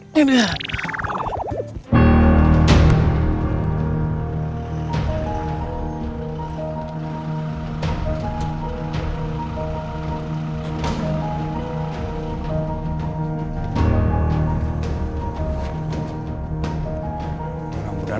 mudah mudahan kalau ada di rumah